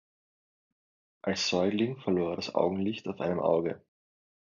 Als Säugling verlor er das Augenlicht auf einem Auge.